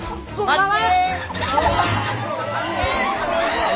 待って！